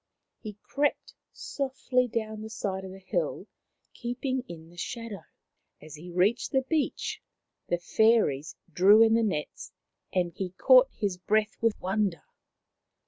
He crept softly down the side of the hill, keep ing in the shadow. As he reached the beach the fairies drew in the nets, and he caught his breath with wonder.